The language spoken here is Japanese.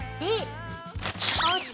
ＯＫ。